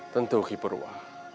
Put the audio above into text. tentu ki purwa